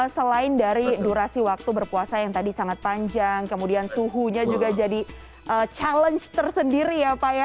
selain dari durasi waktu berpuasa yang tadi sangat panjang kemudian suhunya juga jadi challenge tersendiri ya pak ya